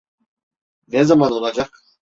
Ne zaman olacak?